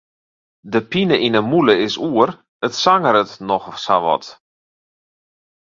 De pine yn 'e mûle is oer, it sangeret noch sa wat.